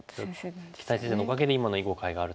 木谷先生のおかげで今の囲碁界があるというか。